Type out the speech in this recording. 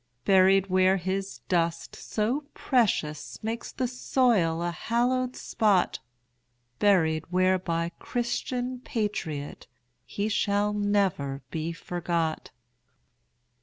Buried where his dust so precious Makes the soil a hallowed spot; Buried where by Christian patriot He shall never be forgot.